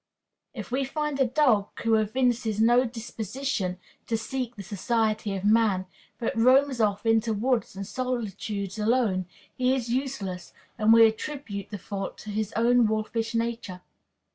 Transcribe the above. If we find a dog who evinces no disposition to seek the society of man, but roams off into woods and solitudes alone, he is useless, and we attribute the fault to his own wolfish nature.